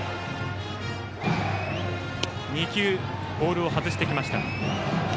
２球、ボールを外してきました。